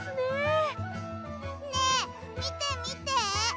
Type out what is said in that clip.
ねえみてみて。